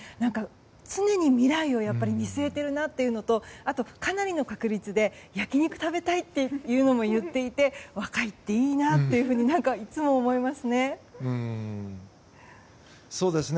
常に未来を見据えているなというのとあと、かなりの確率で焼き肉を食べたいとも言っていて若いっていいなっていつも思いますね。